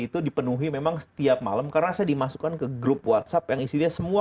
itu dipenuhi memang setiap malam karena saya dimasukkan ke grup whatsapp yang isinya semua